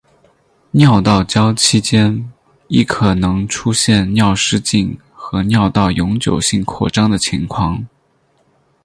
尿道交期间亦可能出现尿失禁和尿道永久性扩张的情况。